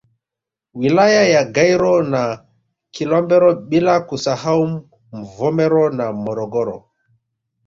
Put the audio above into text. Wilaya ya Gairo na Kilombero bila kusahau Mvomero na Morogoro